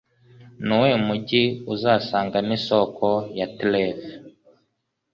Nuwuhe mujyi Uzasangamo Isoko ya Trevi